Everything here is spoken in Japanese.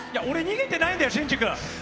俺逃げてないんだよ